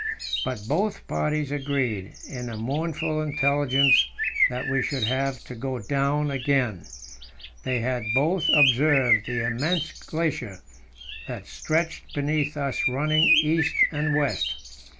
But both parties agreed in the mournful intelligence that we should have to go down again. They had both observed the immense glacier that stretched beneath us running east and west.